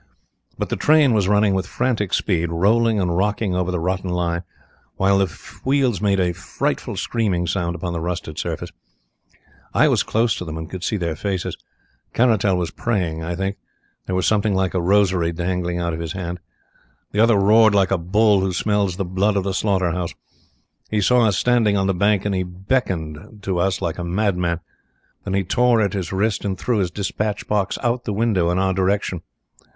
But the train was running with frantic speed, rolling and rocking over the rotten line, while the wheels made a frightful screaming sound upon the rusted surface. I was close to them, and could see their faces. Caratal was praying, I think there was something like a rosary dangling out of his hand. The other roared like a bull who smells the blood of the slaughter house. He saw us standing on the bank, and he beckoned to us like a madman. Then he tore at his wrist and threw his dispatch box out of the window in our direction.